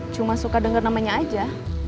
cuma suka dengar namanya aja